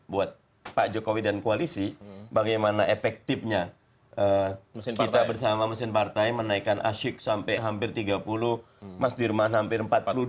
buat pak jokowi dan koalisi bagaimana efektifnya kita bersama mesin partai menaikkan asyik sampai hampir tiga puluh mas dirman hampir empat puluh dua